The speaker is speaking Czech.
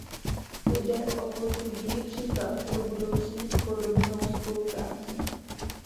Jde o povzbudivý příklad pro budoucí podobnou spolupráci.